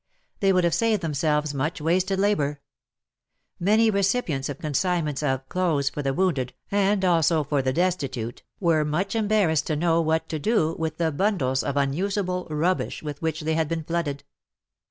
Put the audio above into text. They would have saved themselves much wasted labour. Many recipients of consignments of *' clothes for the wounded," and also for "the destitute," were much embarrassed to know what to do with the bundles of unuseable rubbish with which they had been flooded.